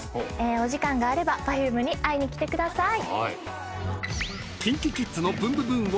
お時間があればＰｅｒｆｕｍｅに会いに来てください。